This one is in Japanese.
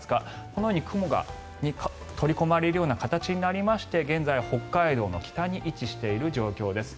このように雲に取り込まれるような形になりまして現在、北海道の北に位置している状況です。